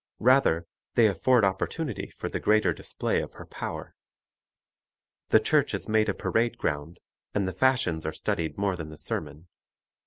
Rather they afford opportunity for the greater display of her power. The church is made a parade ground, and the fashions are studied more than the sermon.